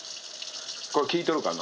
これ、聞いとるかな。